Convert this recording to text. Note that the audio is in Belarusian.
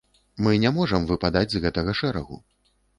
Мы не можам выпадаць з гэтага шэрагу.